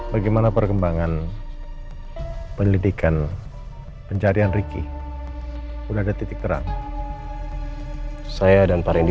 bagaimana perkembangan pendidikan pencarian ricky udah ada titik terang saya dan pak rendy